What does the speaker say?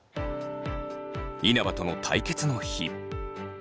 稲葉との対決の日。